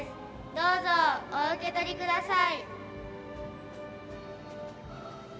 どうぞ、お受け取りください。